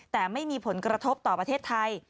แต่ไม่มีผลกระทบต่อประเทศไทย